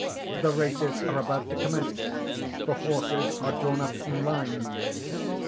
_ _The races are about to commence; the horses are drawn up in line.